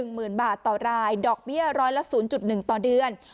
หมื่นบาทต่อรายดอกเบี้ยร้อยละ๐๑ต่อเดือน